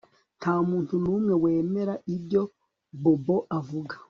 Ntamuntu numwe wemera ibyo Bobo avuga